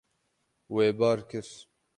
Wê bar kir.